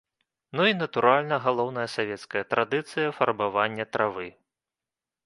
Ну і, натуральна, галоўная савецкая традыцыя фарбавання травы.